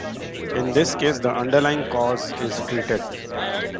In this case the underlying cause is treated.